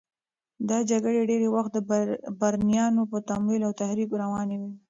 دا جګړې ډېری وخت د بهرنیانو په تمویل او تحریک روانې وې.